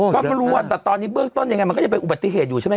ก็ไม่รู้แต่ตอนนี้เบื้องต้นยังไงมันก็ยังเป็นอุบัติเหตุอยู่ใช่ไหม